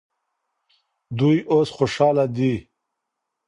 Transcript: دوی اوس خوشحاله دي.